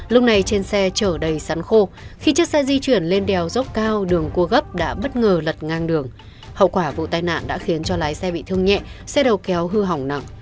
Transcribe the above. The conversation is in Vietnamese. lúc này trên xe chở đầy sắn khô khi chiếc xe di chuyển lên đèo dốc cao đường cua gấp đã bất ngờ lật ngang đường hậu quả vụ tai nạn đã khiến cho lái xe bị thương nhẹ xe đầu kéo hư hỏng nặng